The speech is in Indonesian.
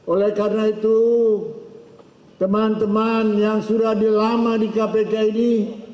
oleh karena itu teman teman yang sudah lama di kpk ini